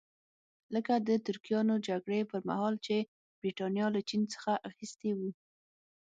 لکه د تریاکو جګړې پرمهال چې برېټانیا له چین څخه اخیستي وو.